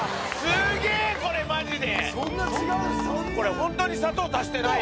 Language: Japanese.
すげえこれマジで。